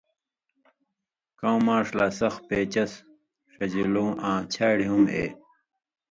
کؤں ماݜ لا سخ پېچس ݜژېلوۡ ہو آں چھاڑیۡ ہُم اے